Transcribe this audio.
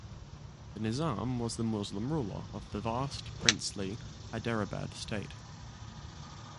The Nizam was the Muslim ruler of the vast princely Hyderabad State.